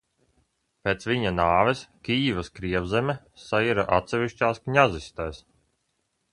Pēc viņa nāves Kijivas Krievzeme saira atsevišķās kņazistēs.